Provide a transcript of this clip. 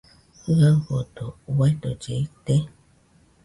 ¿Jɨaɨfodo uidolle ite?